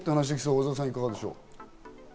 小澤さん、いかがでしょう？